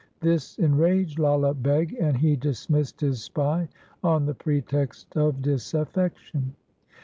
This enraged Lala Beg, and he dismissed his spy on the pretext of disaffection.